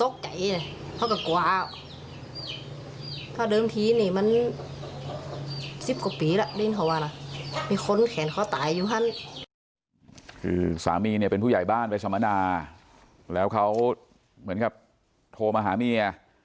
คือสามีเนี่ยเป็นผู้ใหญ่บ้านไปสมนาแล้วเขาเหมือนกับโทรมาหาเมีย